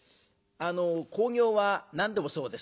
興行は何でもそうですね。